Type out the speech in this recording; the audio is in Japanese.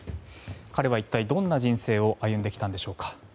彼は一体どんな人生を歩んできたのでしょうか。